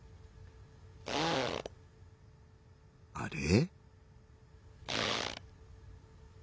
あれ？